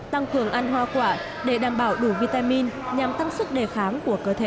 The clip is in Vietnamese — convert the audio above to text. tăng cường ăn hoa quả để đảm bảo đủ vitamin nhằm tăng sức đề kháng của cơ thể